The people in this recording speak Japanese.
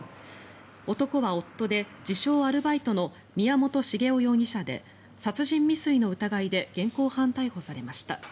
男は夫で自称・アルバイトの宮本成雄容疑者で殺人未遂の疑いで現行犯逮捕されました。